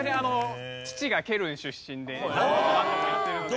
父がケルン出身で何度も行ってるので。